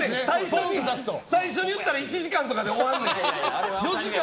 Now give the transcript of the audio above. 最初に言ったら１時間とかで終わるねん。